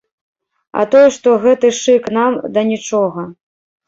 А тое, што гэты шык нам да нічога.